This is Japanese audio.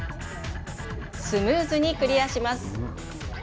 スムーズにクリアします。